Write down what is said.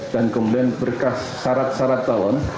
dan kemudian berkas syarat syarat talon